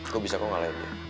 kok bisa kok ngalahin dia